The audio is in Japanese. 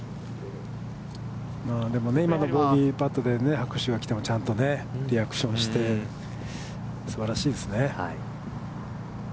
でも、今のボギーパットで拍手が来てもちゃんとリアクションして、すばらしいですね。